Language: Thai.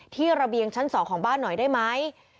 ระเบียงชั้น๒ของบ้านหน่อยได้ไหม